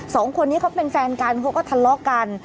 สองคนนี้เขาเป็นแฟนกันเขาก็ทะเลาะกัน